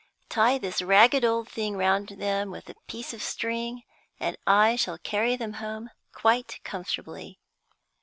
Tie this ragged old thing round them with a bit of string, and I shall carry them home quite comfortably."